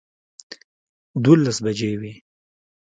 دولس بجې وې